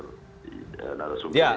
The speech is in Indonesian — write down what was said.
dua narsum saya ya